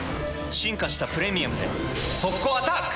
進化した「プレミアム」で速攻アタック！